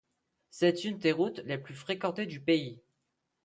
C’est une des routes les plus fréquentées du pays.